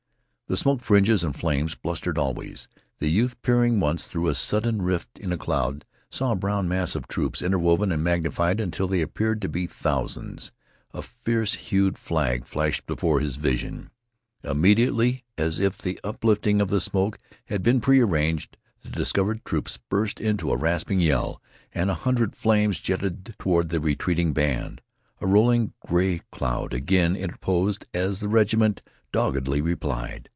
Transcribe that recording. The smoke fringes and flames blustered always. The youth, peering once through a sudden rift in a cloud, saw a brown mass of troops, interwoven and magnified until they appeared to be thousands. A fierce hued flag flashed before his vision. Immediately, as if the uplifting of the smoke had been prearranged, the discovered troops burst into a rasping yell, and a hundred flames jetted toward the retreating band. A rolling gray cloud again interposed as the regiment doggedly replied.